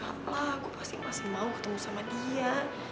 alah gue pasti masih mau ketemu sama dia